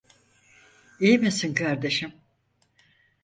İyi misin kardeşim?